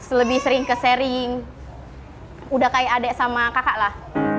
selebih sering kesering udah kayak adek sama kakak lah